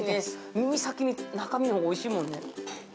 耳先に中身のほうがおいしいもんね。